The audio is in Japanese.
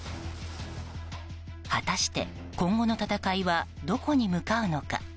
果たして今後の戦いはどこに向かうのか。